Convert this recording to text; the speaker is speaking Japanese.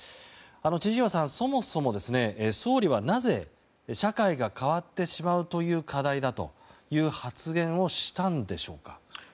千々岩さん、そもそも総理はなぜ社会が変わってしまう課題だという発言をしたのでしょうか。